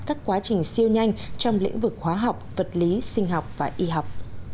các quá trình siêu nhanh trong lĩnh vực hóa học vật lý sinh học và y học